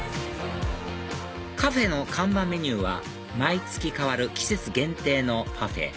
カフェの看板メニューは毎月替わる季節限定のパフェ